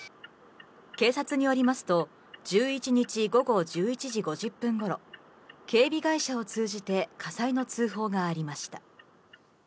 警察によりますと、１１日午後１１時５０分ごろ、警備会社を通じて火災の通報がありました。